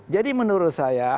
jadi menurut saya